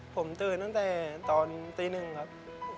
ผมตื่นตั้งแต่ตอนตีหนึ่งครับ